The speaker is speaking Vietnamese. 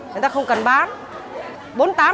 người ta không cần bán